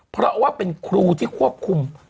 เพราะว่าเป็นครูที่ควบคุม